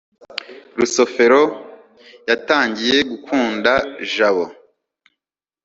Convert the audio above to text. rusufero yatangiye gukunda jabo cy